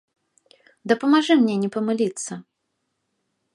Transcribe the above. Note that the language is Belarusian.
Дапамажы мне не памыліцца.